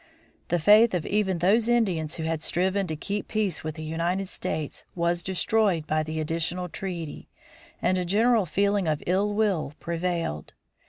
The faith of even those Indians who had striven to keep peace with the United States was destroyed by the "Additional Treaty" and a general feeling of ill will prevailed.